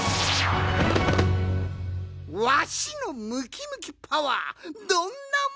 わしのムキムキパワーどんなもんじゃい！